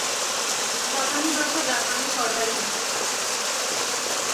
জাপানি ভাষা জাপানের সরকারি ভাষা।